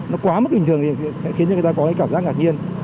nó quá mức bình thường thì sẽ khiến cho người ta có cái cảm giác ngạc nhiên